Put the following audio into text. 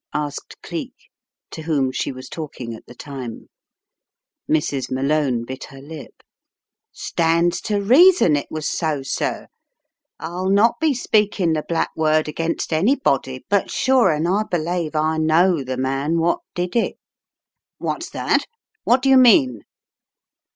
asked Cleek, to whom she was talking at the time* Mrs. Malone bit her lip. "Stands to reason it was so, sir. I'll not be speaking the black word against anybody, but sure an' I belave I know the man what did it " 78 In the Tiger's Clutches 79 "What's that? What do you mean?